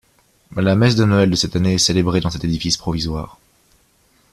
La messe de Noël de cette année est célébrée dans cet édifice provisoire.